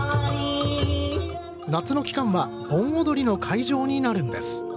夏の期間は盆踊りの会場になるんです。